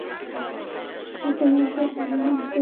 কী তোমাকে এমন অন্তর্মুখী করেছে?